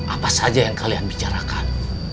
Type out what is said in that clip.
apa saja yang kalian bicarakan